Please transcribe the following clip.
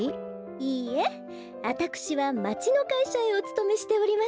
いいえあたくしはまちのかいしゃへおつとめしております。